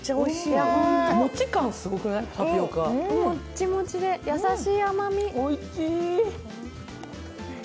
もっちもちで優しい甘み。